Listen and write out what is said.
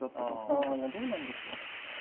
あいやどうなんでしょう。